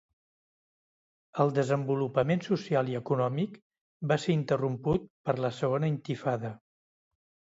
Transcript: El desenvolupament social i econòmic va ser interromput per la Segona Intifada.